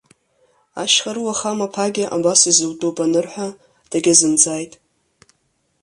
Ашьхарыуа хамаԥагьа абас изутәуп анырҳәа, дагьазымҵааит.